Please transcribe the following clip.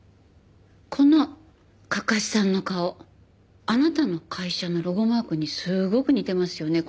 このかかしさんの顔あなたの会社のロゴマークにすごく似てますよね